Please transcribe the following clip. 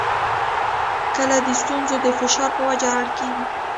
کله د ستونزو د فشار په وجه اړ کېږي.